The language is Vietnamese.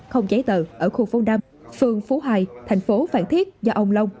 không cháy tờ ở khu phố năm phường phú hài thành phố phan thiết do ông long